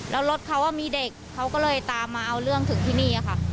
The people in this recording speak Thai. แล้วรถเขามีเด็กเขาก็เลยตามมาเอาเรื่องถึงที่นี่ค่ะ